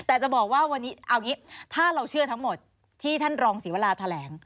แต่จะบอกว่าวันนี้เอาอย่างนี้ถ้าเราเชื่อทั้งหมดที่ท่านรองศรีวราแถลง